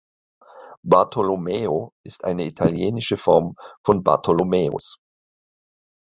Bartolomeo ist eine italienische Form von Bartholomäus.